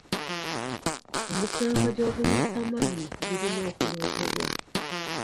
Emisango gy'obuliisamaanyi girina okuloopebwa.